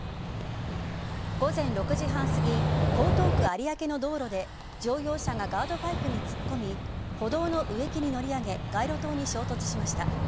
午前６時半すぎ江東区有明の道路で、乗用車がガードパイプに突っ込み歩道の植木に乗り上げ街路灯に衝突しました。